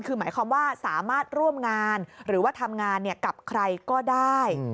คือหมายความว่าสามารถร่วมงานหรือว่าทำงานกับใครก็ได้